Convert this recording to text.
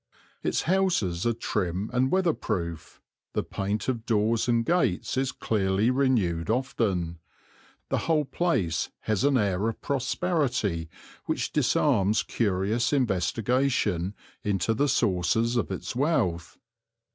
Its houses are trim and weatherproof, the paint of doors and gates is clearly renewed often. The whole place has an air of prosperity which disarms curious investigation into the sources of its wealth.